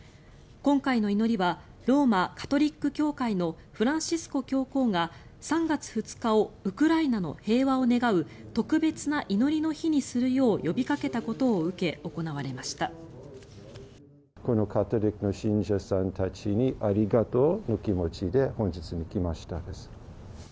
今回の祈りはローマ・カトリック教会のフランシスコ教皇が３月２日をウクライナの平和を願う特別な祈りの日にするよう呼びかけたことを受け行われました。